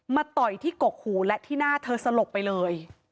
ต่อยที่กกหูและที่หน้าเธอสลบไปเลย